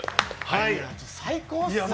最高っすね。